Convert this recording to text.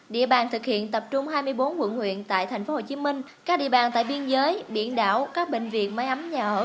địa bàn thực hiện tập trung hai mươi bốn quận huyện tại tp hcm các địa bàn tại biên giới biển đảo các bệnh viện máy ấm nhà ở